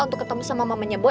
untuk ketemu sama mamanya bo